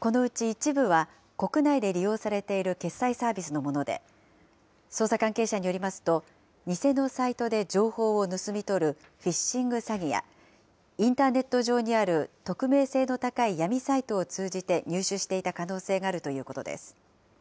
このうち一部は、国内で利用されている決済サービスのもので、捜査関係者によりますと、偽のサイトで情報を盗み取るフィッシング詐欺や、インターネット上にある匿名性の高い闇サイトを通じて入手していた可能性があるということです。